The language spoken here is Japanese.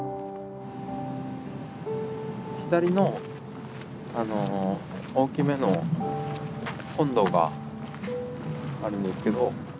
左のあの大きめの本堂があるんですけど。